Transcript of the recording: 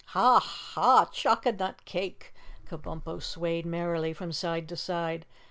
"Ha, ha! Choconut cake!" Kabumpo swayed merrily from side to side.